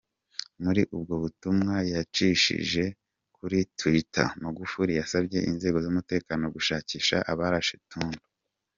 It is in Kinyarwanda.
Muri ubwo butumwa yacishije kuri Twitter, Magufuli yasabye inzego z’umutekano gushakisha abarashe Tundu.